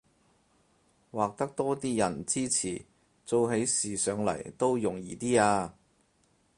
獲得多啲人支持，做起事上來都容易啲吖